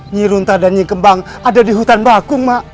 nyiruntar dan nyikembang ada di hutan bakung mbak